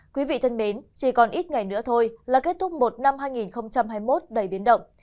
quý vị thân mến chỉ còn ít ngày nữa thôi là kết thúc một năm hai nghìn hai mươi một đầy biến động